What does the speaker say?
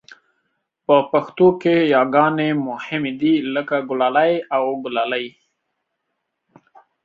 په پښتو کې یاګانې مهمې دي لکه ګلالی او ګلالۍ